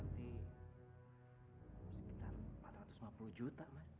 di sekitar empat ratus lima puluh juta mas